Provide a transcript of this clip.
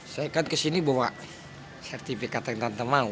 saya kan kesini bawa sertifikat yang tante mau